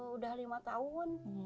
udah lima tahun